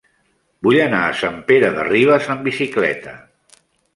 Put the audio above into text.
Vull anar a Sant Pere de Ribes amb bicicleta.